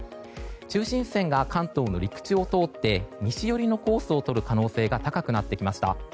中心線が関東の陸地を通って西寄りのコースをとる可能性が高くなってきました。